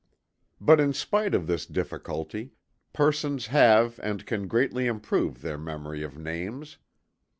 But in spite of this difficulty, persons have and can greatly improve their memory of names.